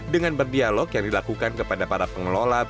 dengan berdialog yang dilakukan kepada para pengelola